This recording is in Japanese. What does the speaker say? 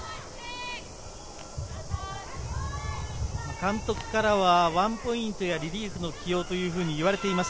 監督からはワンポイントやリリーフの起用と言われています。